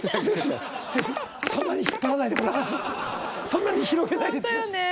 「そんなに広げないで剛」って。